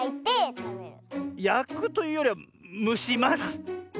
やくというよりはむします。